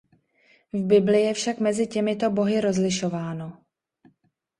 V Bibli je však mezi těmito bohy rozlišováno.